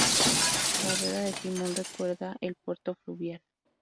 La rueda de timón recuerda el puerto fluvial.